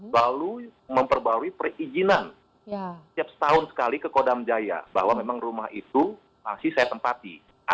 lalu memperbarui perizinan setiap setahun sekali ke kodam jaya bahwa memang rumah itu masih saya tempati